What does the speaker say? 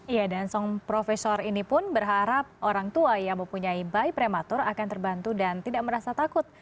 iya dan song profesor ini pun berharap orang tua yang mempunyai bayi prematur akan terbantu dan tidak merasa takut